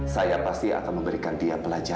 saya pasti akan memberikan dia pelajaran